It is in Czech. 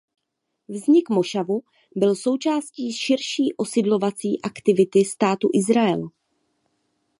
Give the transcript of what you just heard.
Vznik mošavu byl součástí širší osidlovací aktivity státu Izrael.